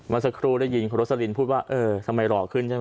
มาสักครู่ได้ยินโรซลินพูดว่าเออสมัยหล่อขึ้นใช่ไหม